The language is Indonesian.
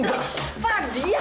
enggak enggak enggak enggak